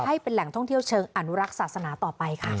ให้เป็นแหล่งท่องเที่ยวเชิงอนุรักษ์ศาสนาต่อไปค่ะ